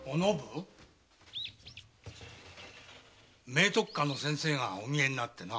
明徳館の先生がお見えになってな。